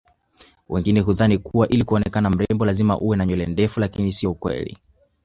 wengine hudhani kuwa ili kuonekana mrembo lazima uwe na nywele ndefu lakini sio kweli